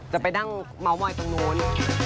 จะไปนั่งเมาส์มอยตรงนู้น